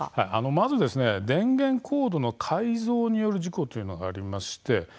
まず電源コードの改造による事故というのがあります。